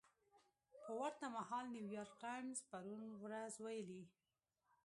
په ورته مهال نیویارک ټایمز پرون ورځ ویلي